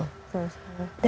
dan ini apa